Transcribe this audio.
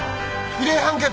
異例判決！」